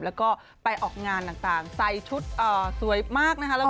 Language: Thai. แล้วก็ไปออกงานต่างใส่ชุดสวยมากนะคะ